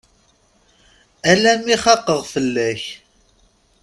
Alammi xaqeɣ fell-ak.